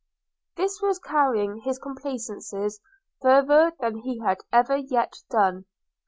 This was carrying his complaisance farther than he had ever yet done.